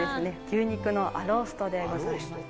牛肉のアローストでございます。